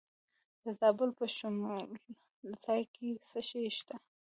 د زابل په شمولزای کې څه شی شته؟